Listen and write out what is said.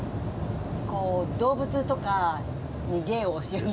こう動物とかに芸を教える。